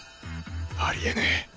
ありえねえ！